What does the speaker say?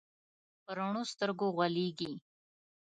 په رڼو سترګو غولېږي.